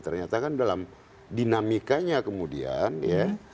ternyata kan dalam dinamikanya kemudian ya